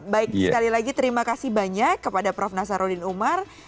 baik sekali lagi terima kasih banyak kepada prof nasaruddin umar